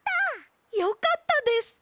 よかったです！